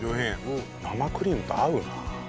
生クリームと合うな。